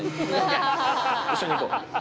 一緒に行こう。